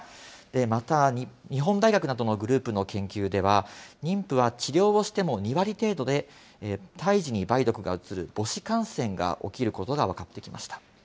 また、日本大学などのグループの研究では、妊婦は治療をしても２割程度で、胎児に梅毒がうつる母子感染が起きることが分かってきました。